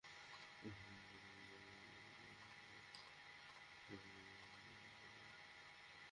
তিনি লাল বাহাদুর শাস্ত্রীকে পছন্দ করতেন না, ফলে তাঁকে বসিয়ে রাখতেন।